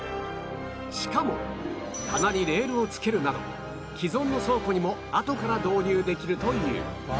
しかも棚にレールを付けるなど既存の倉庫にもあとから導入できるという